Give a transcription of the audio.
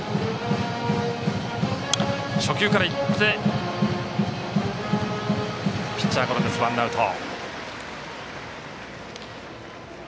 初球からいってピッチャーゴロ、ワンアウト。